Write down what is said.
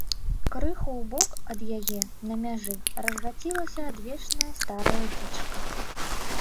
Крыху ў бок ад яе, на мяжы, разгацілася адвечная, старая дзічка.